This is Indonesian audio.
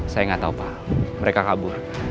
saya gak tau pak mereka kabur